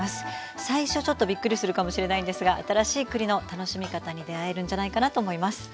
最初ちょっとびっくりするかもしれないんですが新しい栗の楽しみ方に出会えるんじゃないかなと思います。